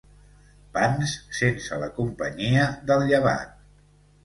Pans sense la companyia del llevat.